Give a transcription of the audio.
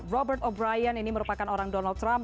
robert abrian ini merupakan orang donald trump